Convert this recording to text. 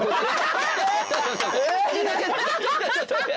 ちょっと待って！